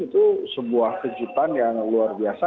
itu sebuah kejutan yang luar biasa